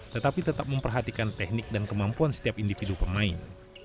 tetapi tetap memperhatikan teknik dan kemampuan setiap individu pemain